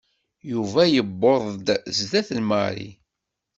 Yuba yewweḍ-d zdat n Mary.